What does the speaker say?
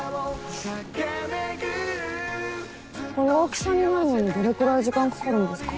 この大きさになるのにどれくらい時間かかるんですか？